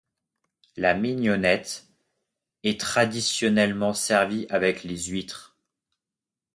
La mignonnette est traditionnellement servie avec les huitres.